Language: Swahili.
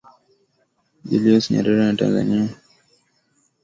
Julius Nyerere wa Tanzania Abdurahman Babu wa Zanzibari Tom Mboya wa Kenya na Kanyama